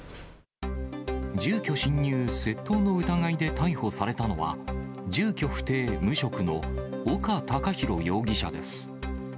住居侵入・窃盗の疑いで逮捕されたのは、住居不定無職の丘孝洋容疑者です。